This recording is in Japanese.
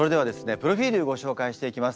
プロフィールご紹介していきます。